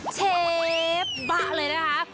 เชฟบะเลยนะคะ